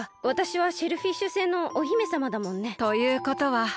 わたしはシェルフィッシュ星のお姫さまだもんね。ということは。